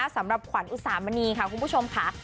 สำหรับขวัญอุสามณีค่ะคุณผู้ชมค่ะ